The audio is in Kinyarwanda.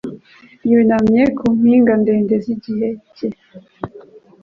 Yunamye ku mpinga ndende z'igihe cye